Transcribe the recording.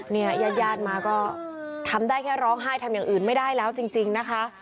ญาติญาติมาก็ทำได้แค่ร้องไห้ทำอย่างอื่นไม่ได้แล้วจริงนะคะ